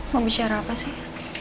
mau bicara apa sih